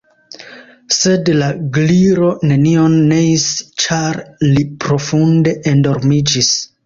Sed la Gliro nenion neis, ĉar li profunde endormiĝis.